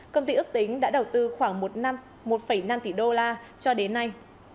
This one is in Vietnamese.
công ty ước tính đã đầu tư khoảng một năm tỷ đô la cho đến nay